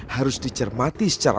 harus dicermati secara